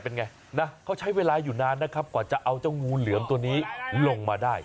เป็นไงนะเขาใช้เวลาอยู่นานนะครับกว่าจะเอาเจ้างูเหลือมตัวนี้ลงมาได้